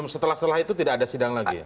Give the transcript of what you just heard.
setelah itu tidak ada sidang lagi